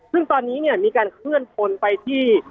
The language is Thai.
ซึ่งตอนนี้เนี่ยมีการเคลื่อนพลไปที่